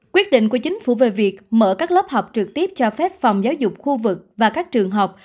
quyết định của chính phủ về việc mở các lớp học trực tiếp cho phép phòng giáo dục khu vực và các trường học